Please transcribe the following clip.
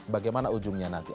bagaimana ujungnya nanti